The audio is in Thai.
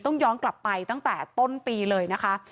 ย้อนกลับไปตั้งแต่ต้นปีเลยนะคะ